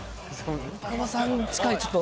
大久保さんに近いと。